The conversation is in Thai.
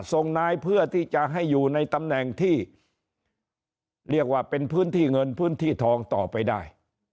ส่งนายเพื่อที่จะให้อยู่ในตำแหน่งที่เรียกว่าเป็นพื้นที่เงินพื้นที่ทองต่อไปได้